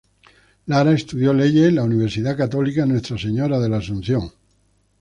Lara estudió leyes en la Universidad Católica Nuestra Señora de la Asunción.